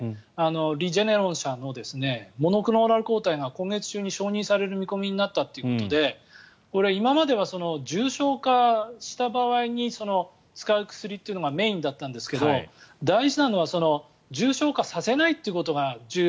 リジェネロン社のモノクローナル抗体が今月中に承認される見込みになったということで今までは重症化した場合に使う薬というのがメインだったんですけど大事なのは重症化させないということが重要